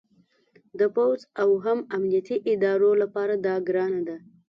د پوځ او هم امنیتي ادارو لپاره دا ګرانه ده